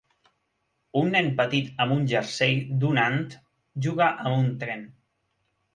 Un nen petit amb un jersei d'un ant juga amb un tren.